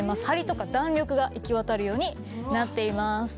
ハリとか弾力が行き渡るようになっています。